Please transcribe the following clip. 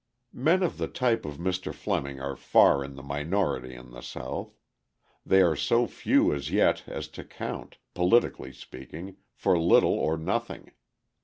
Men of the type of Mr. Fleming are far in the minority in the South; they are so few as yet as to count, politically speaking, for little or nothing.